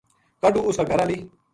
کاہڈو اس کا گھر ہالی